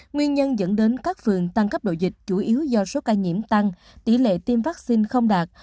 nguyên nhân dẫn đến các phường tăng cấp độ dịch chủ yếu do số ca nhiễm tăng tỷ lệ tiêm vaccine không đạt